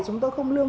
chúng tôi không lương